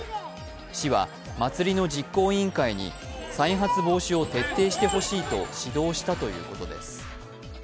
市は祭りの実行委員会に再発防止を徹底してほしいと指導したということです。